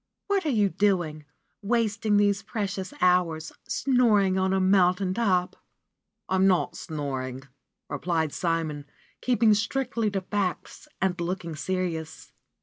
"What are you doing, wasting these precious hours, snoring on a mountain top ?" "I'm not snoring," replied Simon, keeping strictly to facts and looking serious.